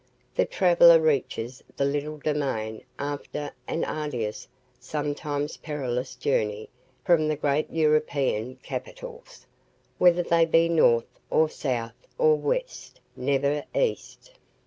The traveler reaches the little domain after an arduous, sometimes perilous journey from the great European capitals, whether they be north or south or west never east.